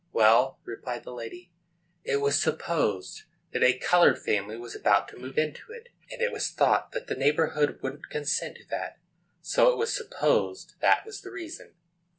"Well," replied the lady, "it was supposed that a colored family was about to move into it, and it was thought that the neighborhood wouldn't consent to that. So it was supposed that was the reason."